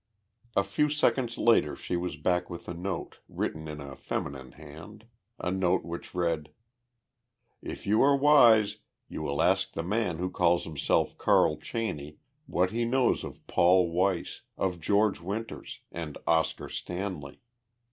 A few seconds later she was back with a note, written in a feminine hand a note which read: If you are wise you will ask the man who calls himself Carl Cheney what he knows of Paul Weiss, of George Winters, and Oscar Stanley.